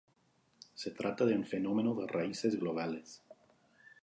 Se trata de un fenómeno de raíces globales.